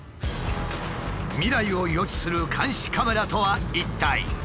未来を予知する監視カメラとは一体？